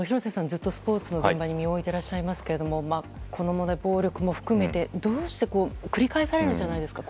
ずっとスポーツの現場に身を置いていらっしゃますけどこの問題、暴力も含めて繰り返されるじゃないですか。